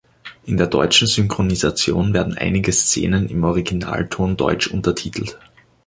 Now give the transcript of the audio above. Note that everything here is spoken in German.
In der deutschen Synchronisation werden einige Szenen im Originalton deutsch untertitelt.